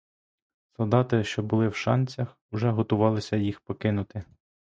Солдати, що були в шанцях, уже готувалися їх покинути.